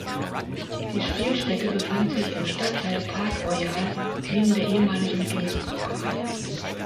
Die Spielstätte befand sich im Stadtteil Park Royal neben der ehemaligen Guinness Brauerei.